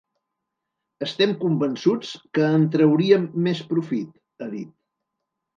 “Estem convençuts que en trauríem més profit”, ha dit.